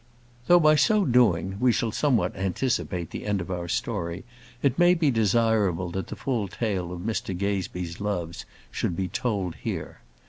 Though, by so doing, we shall somewhat anticipate the end of our story, it may be desirable that the full tale of Mr Gazebee's loves should be told here.